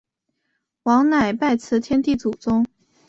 王乃拜辞天地祖宗。